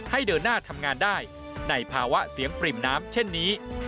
ให้เดินหน้าทำงานได้ในภาวะเสียงปริ่มน้ำเช่นนี้